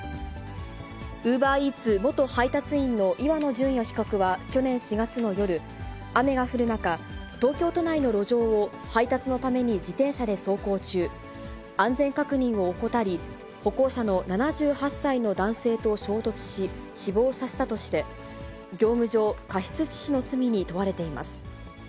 ウーバーイーツ元配達員の岩野純也被告は去年４月の夜、雨が降る中、東京都内の路上を配達のために自転車で走行中、安全確認を怠り、歩行者の７８歳の男性と衝突し、死亡させたとして、業務上過失致死の罪に問われています。